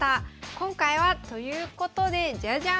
今回はということでジャジャーン！